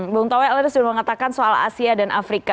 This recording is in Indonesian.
bung toel anda sudah mengatakan soal asia dan afrika